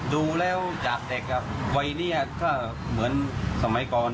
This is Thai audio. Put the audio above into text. ดูแล้วจากเด็กวัยนี้ก็เหมือนสมัยก่อน